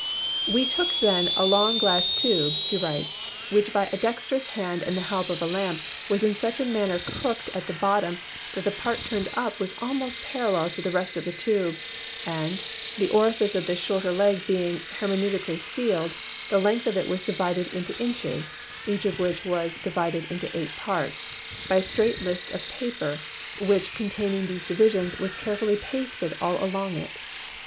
"We took then a long glass tube," he writes, "which by a dexterous hand and the help of a lamp was in such a manner crooked at the bottom that the part turned up was almost parallel to the rest of the tube and, the orifice of this shorter leg being hermetically sealed, the length of it was divided into inches (each of which was divided into eight parts) by a straight list of paper, which containing those divisions, was carefully pasted all along it.